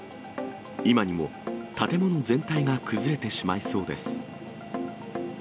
今にも建物全体が崩れてしまいそうです。